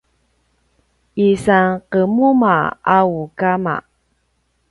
isan qemuma a u ama